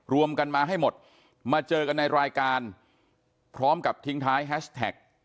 รวมกันมาให้หมดมาเจอกันในรายการพร้อมกับทิ้งท้ายแฮชแท็ก